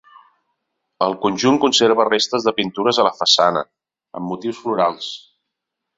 El conjunt conserva restes de pintures a la façana, amb motius florals.